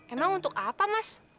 emang untuk apa mas